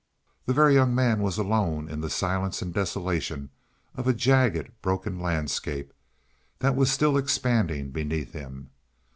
The Very Young Man was alone in the silence and desolation of a jagged, broken landscape that was still expanding beneath him.